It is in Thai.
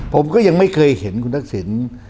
ผมก็ยังไม่เคยเห็นคุณทักษิณ